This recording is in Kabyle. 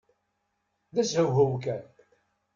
D ashewhew kan!